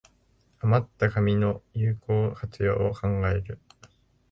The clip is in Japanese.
あまった紙の有効活用を考える